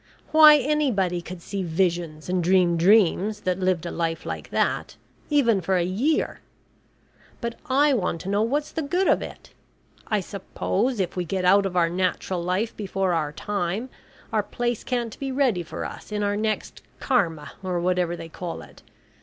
Why, anybody could see visions and dream dreams, that lived a life like that even for a year! But I want to know what's the good of it? I suppose if we get out of our natural life before our time, our place can't be ready for us in our next Karma, or whatever they call it.